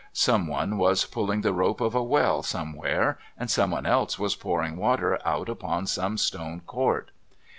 Someone was pulling the rope of a well somewhere and someone else was pouring water out upon some stone court.